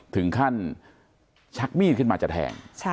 ถึงขั้นชักมีดขึ้นมาจะแทง